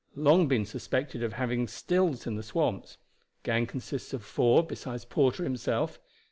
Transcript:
Long been suspected of having stills in the swamps. Gang consists of four besides Porter himself.